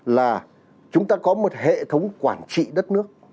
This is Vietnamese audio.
là chúng ta có một hệ thống quản trị đất nước